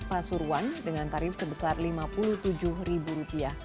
pasuruan dengan tarif sebesar rp lima puluh tujuh